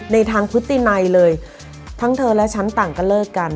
ในทางพฤตินัยเลยทั้งเธอและฉันต่างก็เลิกกัน